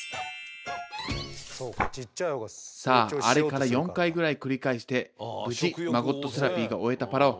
さああれから４回ぐらい繰り返して無事マゴットセラピーが終えたパラオ。